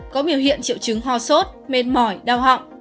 có biểu hiện triệu chứng ho sốt mệt mỏi đau họng